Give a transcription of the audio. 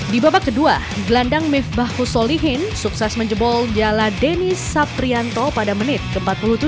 di babak kedua gelandang mif bahus solihin sukses menjebol jala deni saprianto pada menit ke empat puluh tujuh